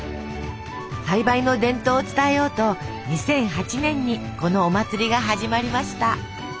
栽培の伝統を伝えようと２００８年にこのお祭りが始まりました。